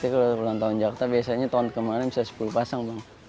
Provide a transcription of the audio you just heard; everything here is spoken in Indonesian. kalau ulang tahun jakarta biasanya tahun kemarin bisa sepuluh pasang bang